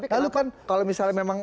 lalu kan kalau misalnya memang